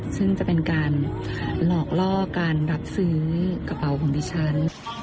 ซึ่งจะเป็นการหลอกล่อการรับซื้อกระเป๋าของดิฉัน